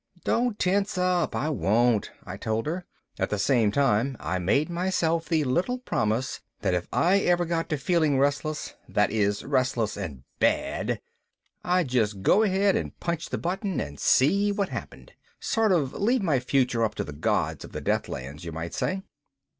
"Don't tense up, I won't," I told her. At the same time I made myself the little promise that if I ever got to feeling restless, that is, restless and bad, I'd just go ahead and punch the button and see what happened sort of leave my future up to the gods of the Deathlands, you might say.